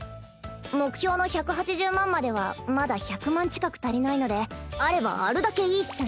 目標の１８０万まではまだ１００万近く足りないのであればあるだけいいっス。